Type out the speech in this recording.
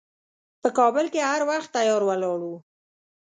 په کابل کې هر وخت تیار ولاړ و.